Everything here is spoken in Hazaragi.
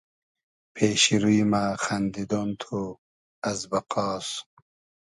پېشی روی مۂ خئندیدۉن تو از بئقاس